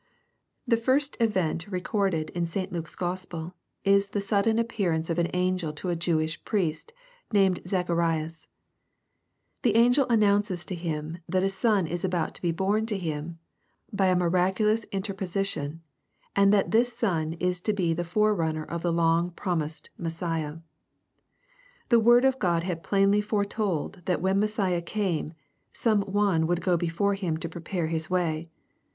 The first event recorded in St. Luke's Gospel, is the sudden appearance of an angel to a Jewish priest, named Zacharias. The angel announces to him that a son is about to be born to him, by a miraculous interpo sition, and that this son is to be the forerunner of the long promised Messiah. The word of God had plainly foretold that when Messiah came, some one would go before him to prepare his way.